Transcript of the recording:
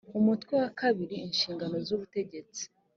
umutwe wa kabiri inshingano zubutegetsi